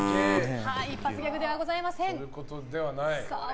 一発ギャグではございません。